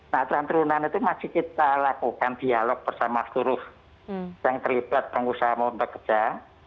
nah aturan turunan itu masih kita lakukan dialog bersama turus yang terlibat pengusaha memperkejar